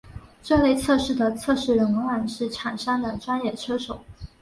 这类测试的测试人往往是厂商的专业车手。